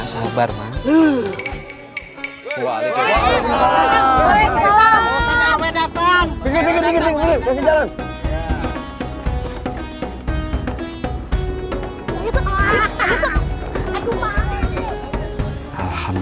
hai sabar pak ustadz pasti datang main kita ada kelamaan